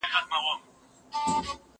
زه به مړۍ خوړلي وي!